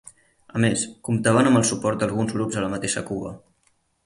A més, comptaven amb el suport d'alguns grups a la mateixa Cuba.